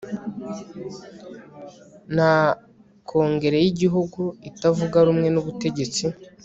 na Kongere yigihugu itavuga rumwe nubutegetsi